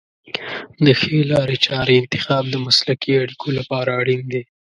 د ښې لارې چارې انتخاب د مسلکي اړیکو لپاره اړین دی.